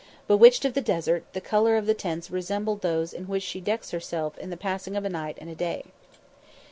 Bewitched of the desert, the colour of the tents resembled those in which she decks herself in the passing of a day and a night.